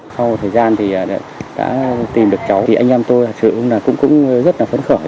sau một thời gian đã tìm được cháu thì anh em tôi cũng rất là phấn khởi